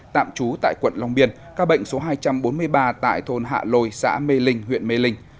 tạm trú tại quận long biên ca bệnh số hai trăm bốn mươi ba tại thôn hạ lôi xã mê linh huyện mê linh